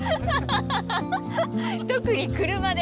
特に車で。